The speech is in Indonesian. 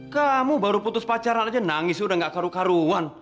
kamu baru putus pacaran aja nangis udah gak karu karuan